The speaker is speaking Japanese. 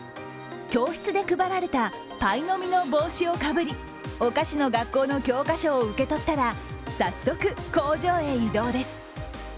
教室で配られたパイの実の帽子をかぶりお菓子の学校の教科書を受け取ったら早速、工場へ移動です。